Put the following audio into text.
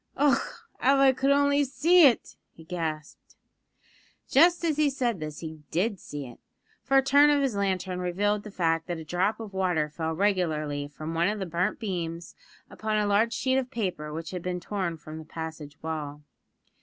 "Och! av I could only see it!" he gasped. Just as he said this he did see it, for a turn of his lantern revealed the fact that a drop of water fell regularly from one of the burnt beams upon a large sheet of paper which had been torn from the passage wall.